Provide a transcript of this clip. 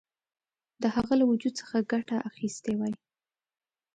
د هغه له وجود څخه ګټه اخیستې وای.